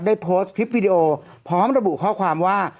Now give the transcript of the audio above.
โพสต์คลิปวิดีโอพร้อมระบุข้อความว่า